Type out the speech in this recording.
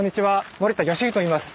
森田義史といいます。